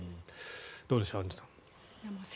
どうでしょうアンジュさん。